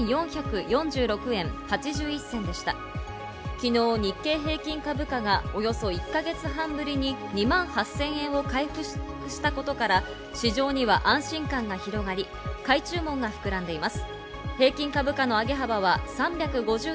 昨日、日経平均株価がおよそ１か月半ぶりに２万８０００円を回復したことから、市場には安心感が広がり、買い注文が膨らんでいます。